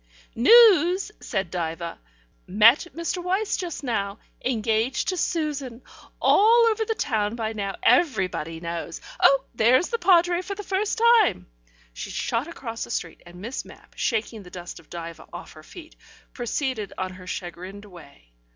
"News," said Diva. "Met Mr. Wyse just now. Engaged to Susan. All over the town by now. Everybody knows. Oh, there's the Padre for the first time." She shot across the street, and Miss Mapp, shaking the dust of Diva off her feet, proceeded on her chagrined way.